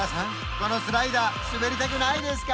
このスライダー滑りたくないですか？